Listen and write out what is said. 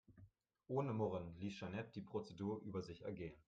Ohne Murren ließ Jeanette die Prozedur über sich ergehen.